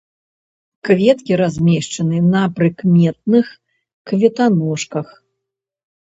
Кветкі размешчаны на прыкметных кветаножках.